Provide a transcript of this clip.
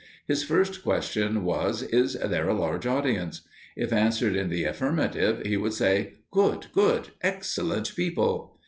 His first question was "is there a large audience?" If answered in the affirmative, he would say, "good good! excellent people!"